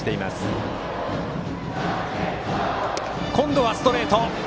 今度はストレート！